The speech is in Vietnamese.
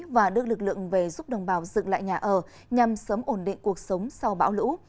và đưa lực lượng về giúp đồng bào dựng lại nhà ở nhằm sớm ổn định cuộc sống sau bão lũ